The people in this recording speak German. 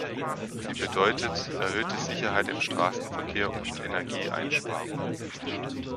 Sie bedeutet erhöhte Sicherheit im Straßenverkehr und Energieeinsparung.